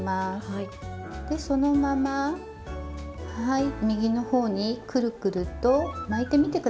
でそのままはい右の方にくるくると巻いてみて下さい。